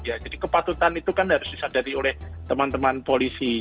jadi kepatutan itu kan harus disadari oleh teman teman polisi